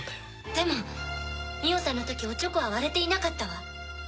でも美緒さんの時オチョコは割れていなかったわ。